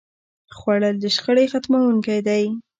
خوړل د شخړې ختموونکی دی